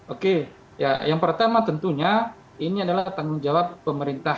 oke ya yang pertama tentunya ini adalah tanggung jawab pemerintah